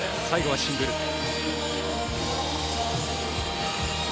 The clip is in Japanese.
最後はシングル。